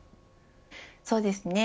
そうですね。